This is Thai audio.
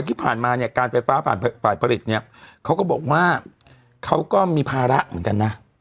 ที่ผ่านมาเนี่ยการไฟฟ้าฝ่ายผลิตเนี่ยเขาก็บอกว่าเขาก็มีภาระเหมือนกันนะ